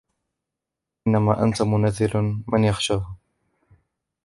إِنَّمَا أَنْتَ مُنْذِرُ مَنْ يَخْشَاهَا